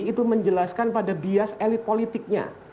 itu menjelaskan pada bias elit politiknya